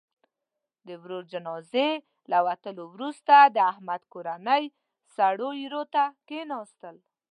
د ورور جنازې له وتلو وروسته، د احمد کورنۍ سړو ایرو ته کېناستل.